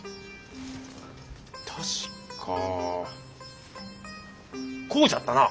確かこうじゃったな。